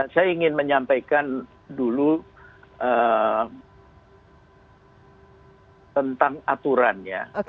saya ingin menyampaikan dulu tentang aturannya